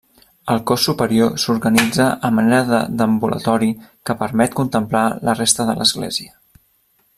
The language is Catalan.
El cos superior s'organitza a manera de deambulatori que permet contemplar la resta de l'església.